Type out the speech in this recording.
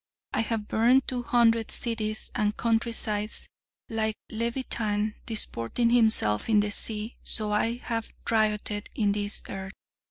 I have burned two hundred cities and countrysides. Like Leviathan disporting himself in the sea, so I have rioted in this earth.